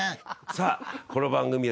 さあこの番組はですね